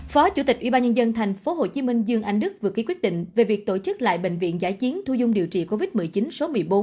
phó chủ tịch ubnd tp hcm dương anh đức vừa ký quyết định về việc tổ chức lại bệnh viện giải chiến thu dung điều trị covid một mươi chín số một mươi bốn